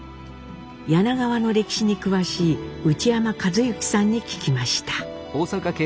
柳川の歴史に詳しい内山一幸さんに聞きました。